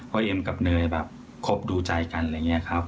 เอ็มกับเนยแบบคบดูใจกันอะไรอย่างนี้ครับ